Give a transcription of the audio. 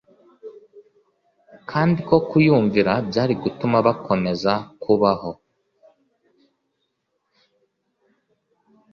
Kandi ko kuyumvira byari gutuma bakomeza kubaho